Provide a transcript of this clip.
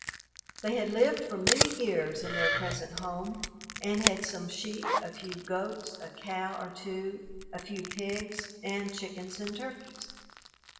They had lived for many years in their present home and had some sheep, a few goats, a cow or two, a few pigs, and chickens and turkeys.